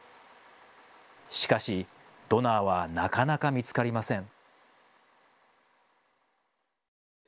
しかし、ドナーはなかなか見つかりません。